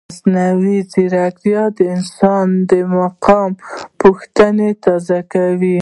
مصنوعي ځیرکتیا د انساني مقام پوښتنه تازه کوي.